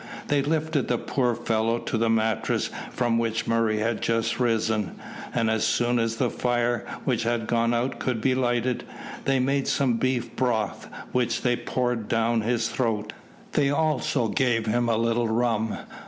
They lifted the poor fellow to the mattress from which Murray had just risen, and as soon as the fire, which had gone out, could be lighted, they made some beef broth, which they poured down his throat. They also gave him a little rum.